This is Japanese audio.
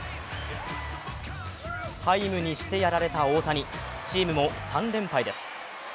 ハイムにしてやられた大谷、チームも３連敗です。